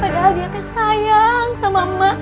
padahal dia tuh sayang sama emak